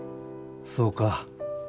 そうか。